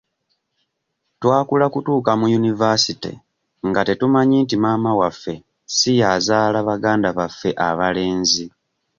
Twakula kutuuka mu yunivaasite nga tetumanyi nti maama waffe si y'azaala baganda baffe abalenzi.